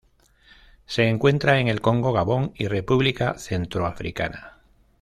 Se encuentra en el Congo Gabón y República Centroafricana.